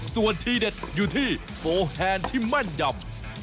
ส่วนที่เด็ดอยู่ที่โฟแฮนด์ที่แม่นยำ